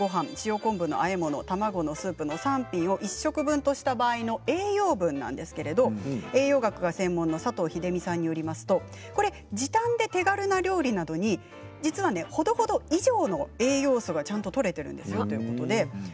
ナッツのふりかけごはん塩昆布のあえ物、卵スープ３品を１食分とした場合の栄養分なんですけれど栄養学が専門の佐藤秀美さんによりますと時短で手軽な料理なのにほどほど以上の栄養素がちゃんととれているんですよということです。